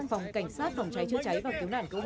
phòng cảnh sát phòng cháy chữa cháy và cứu nạn cứu hộ